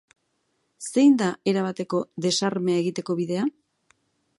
Zein da erabateko desarmea egiteko bidea?